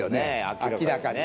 明らかに。